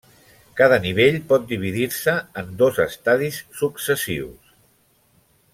Cada nivell pot dividir-se en dos estadis successius.